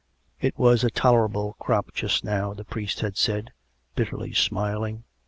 It was a tolerable crop just now, the priest had said, bitterly smiling.